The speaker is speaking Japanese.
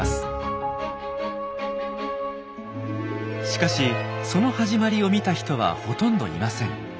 しかしその始まりを見た人はほとんどいません。